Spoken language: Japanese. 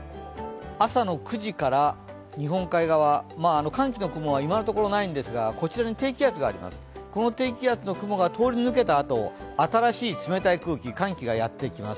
朝の９時から日本海側、寒気の雲は今のところないんですがこちらに低気圧があります、この低気圧の雲が通り抜けたあと新しい冷たい空気、寒気がやってきます。